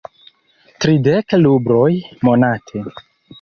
Tridek rubloj monate.